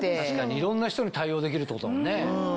いろんな人に対応できるってことだもんね。